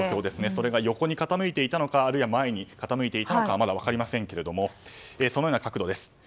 それが横に傾いていたのか前に傾いていたのかはまだ分かりませんけれどもそのような角度です。